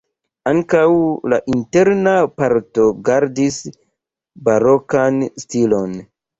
Ankaŭ la interna parto gardis barokan stilon.